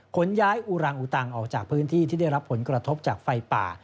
ขนย้ายอุรังอุตังออกจากพื้นที่ที่ได้รับผลกระทบจากไฟป่า